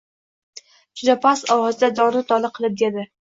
Juda past ovozda dona-dona qilib dedi